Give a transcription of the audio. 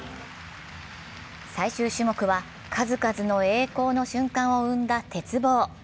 最終種目は数々の栄光の瞬間を生んだ鉄棒。